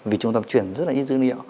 vì chúng ta chuyển rất là ít dữ liệu